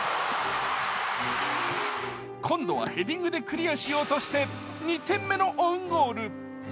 今度は、ヘディングでクリアしようとして２点目のオウンゴール。